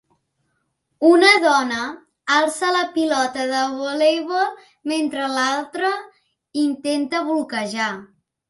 Una dona alça la pilota de voleibol mentre l'altra intenta bloquejar.